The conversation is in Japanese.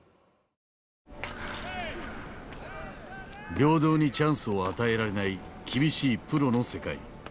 平等にチャンスを与えられない厳しいプロの世界。